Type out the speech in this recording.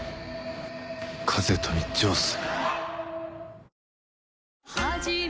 風富城水。